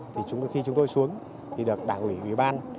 thì khi chúng tôi xuống thì được đảng ủy ủy ban